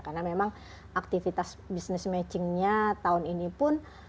karena memang aktivitas business matchingnya tahun ini pun